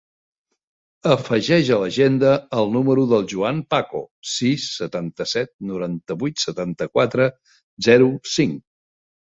Afegeix a l'agenda el número del Joan Paco: sis, setanta-set, noranta-vuit, setanta-quatre, zero, cinc.